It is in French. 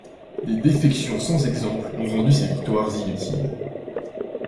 Des défections sans exemple ont rendu ces victoires inutiles.